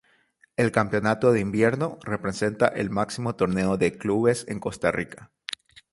El campeonato de Invierno representa el máximo torneo de clubes en Costa Rica.